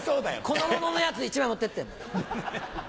この者のやつ１枚持ってって。